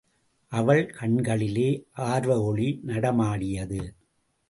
அவள் கண்களிலே ஆர்வஒளி நடமாடியது.